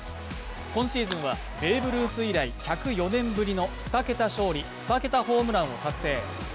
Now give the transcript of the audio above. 今シーズンはベーブ・ルース以来１０４年ぶりの２桁勝利・２桁ホームランを達成。